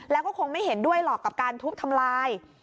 แล้วก็คงไม่เห็นด้วยหรอกกับการทุบทำลาย